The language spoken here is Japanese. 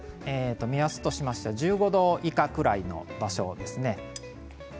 目安としては１５度以下ぐらいの場所ですね。